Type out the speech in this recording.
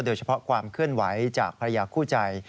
โดยเฉพาะความเคลื่อนไหวจากภรรยาคู่ใจ